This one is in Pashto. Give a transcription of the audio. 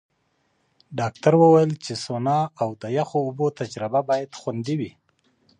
ډاکټره وویل چې سونا او یخو اوبو تجربه باید خوندي وي.